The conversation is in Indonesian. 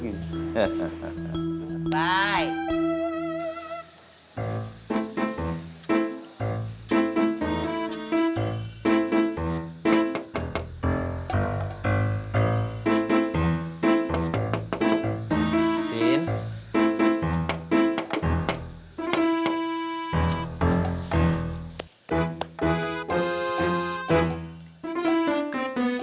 tinggal kita berdua jadi bisa pacaran lagi